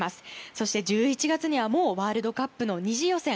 そして１１月にはもうワールドカップの２次予選。